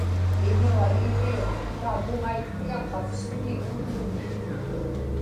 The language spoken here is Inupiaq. iñua iglum tautuŋaitkiga qavsiñi uvluni